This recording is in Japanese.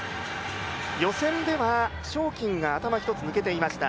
予選では章キンが頭一つ抜けていました